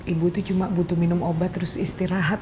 ibu itu cuma butuh minum obat terus istirahat